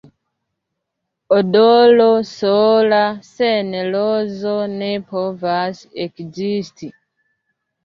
Odoro sola sen rozo ne povas ekzisti.